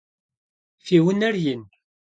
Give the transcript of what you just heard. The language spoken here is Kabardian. Fi vuner yin?